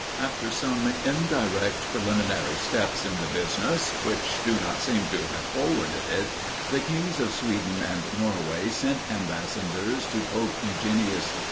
After some indirect preliminary steps in the business, which do not seem to have forwarded it, the kings of Sweden and Norway sent ambassadors to Pope Eugenius III.